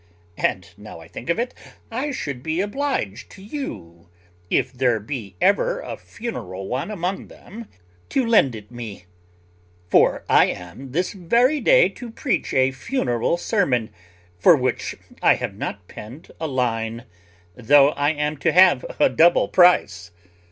And now I think of it, I should be obliged to you, if there be ever a funeral one among them, to lend it me; for I am this very day to preach a funeral sermon, for which I have not penned a line, though I am to have a double price."